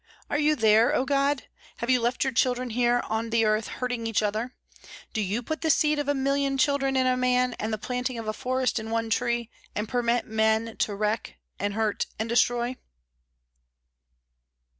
"Are you there, O God? Have you left your children here on the earth hurting each other? Do you put the seed of a million children in a man, and the planting of a forest in one tree, and permit men to wreck and hurt and destroy?"